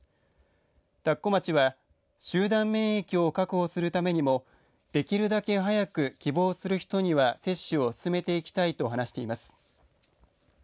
田子町は集団免疫を確保するためにもできるだけ早く希望する人には接種を進めていきたいと話しています。